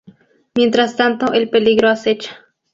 Mientras tanto el peligro acecha.